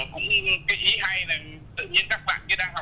cũng cái ý hay là